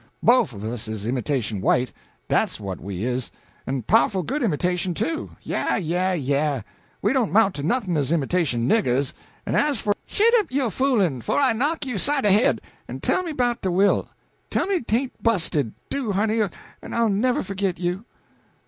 Bofe of us is imitation white dat's what we is en pow'ful good imitation, too yah yah yah! we don't 'mount to noth'n as imitation niggers; en as for " "Shet up yo' foolin', 'fo' I knock you side de head, en tell me 'bout de will. Tell me 'tain't bu'sted do, honey, en I'll never forgit you."